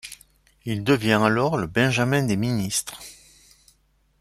Il devient alors le benjamin des ministres.